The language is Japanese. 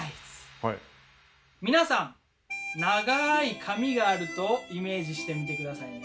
皆さん長い髪があるとイメージしてみて下さいね。